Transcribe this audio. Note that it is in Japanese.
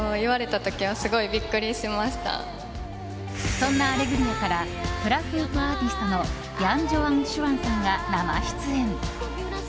そんな「アレグリア」からフラフープアーティストのヤン・ジョアン・シュワンさんが生出演。